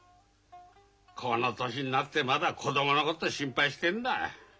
この年になってまだ子供のこと心配してんだ。